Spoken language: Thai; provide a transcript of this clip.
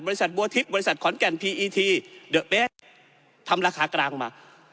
บริษัทบัวทิศบริษัทขอนแก่นพีอีทีเดอะเบสทำราคากลางมา